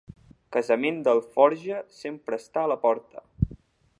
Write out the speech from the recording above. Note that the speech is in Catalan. Casament d'alforja sempre està a la porta.